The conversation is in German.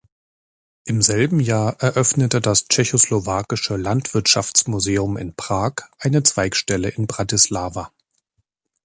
Im selben Jahr eröffnete das Tschechoslowakische Landwirtschaftsmuseum in Prag eine Zweigstelle in Bratislava.